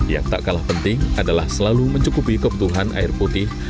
yang tak kalah penting adalah selalu mencukupi kebutuhan air putih